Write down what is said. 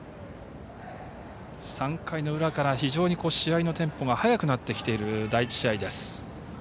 ３回の裏から非常に試合のテンポが速くなってきている第１試合です。